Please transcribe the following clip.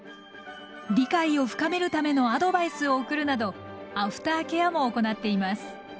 理解を深めるためのアドバイスを送るなどアフターケアも行っています。